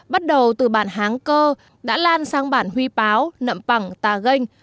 bắt đầu từ bản háng cơ đã lan sang bản huy báo nậm pẳng tà ganh